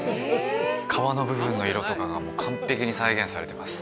皮の部分の色とかが完璧に再現されてます